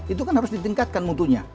itu kan harus ditingkatkan mutunya